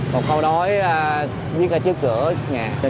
một câu đói viết ra trước cửa